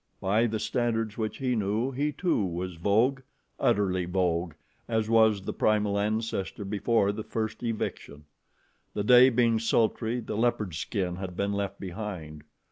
By the standards which he knew, he, too, was vogue utterly vogue, as was the primal ancestor before the first eviction. The day being sultry, the leopard skin had been left behind.